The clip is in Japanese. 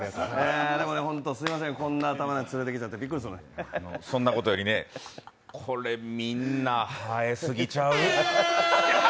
でもね、ホントすいません、こんな頭のやつ連れてきて、びっくりするそんなことよりね、これみんな生えすぎちゃう？